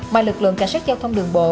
mà lực lượng cảnh sát giao thông đường bộ